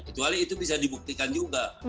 kecuali itu bisa dibuktikan juga